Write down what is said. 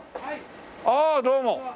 ああどうも。